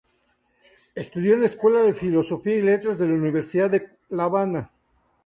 Estudió en la Escuela de Filosofía y Letras de la Universidad de La Habana.